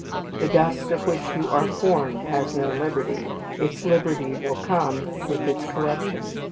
The dust of which you are formed has no liberty. Its liberty will come with its corruption.